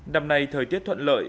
đầm này thời tiết thuận lợi